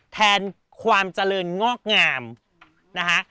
แทนความเจริญงอกงามนะคะ